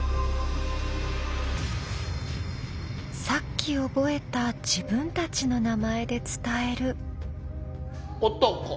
さっき覚えた自分たちの名前で伝える。